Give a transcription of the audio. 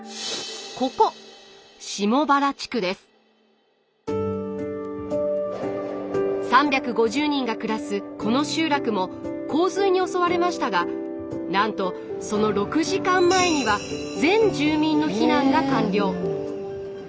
ここ３５０人が暮らすこの集落も洪水に襲われましたがなんとその６時間前には全住民の避難が完了。